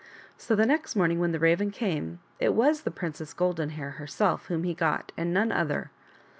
So the next morning when the Raven came it was the Princess Golden Hair herself whom he got and none other.